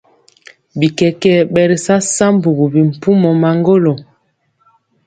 Bikɛkɛ ɓɛ ri sa sambugu bimpumɔ maŋgolo.